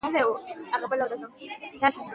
له زلزلې وروسته ځینې وخت وروستی ټکانونه هم وي.